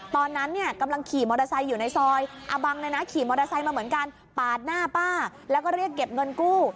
ตอนนั้นเนี่ยกำลังขี่มอเตอร์ไซค์อยู่ในซอยอาบังเนี่ยนะขี่มอเตอร์ไซค์มาเหมือนกันปาดหน้าป้าแล้วก็เรียกเก็บเงินกู้